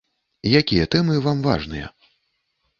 Якія тэмы вам важныя?